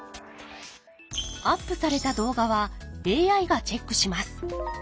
アップされた動画はＡＩがチェックします。